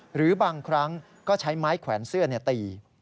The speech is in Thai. หรือบางครั้งก็ใช้ไม้แขวนเสื้อตี